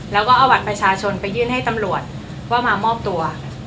แล้วก็เอาบัตรประชาชนไปยื่นให้ตำรวจว่ามามอบตัว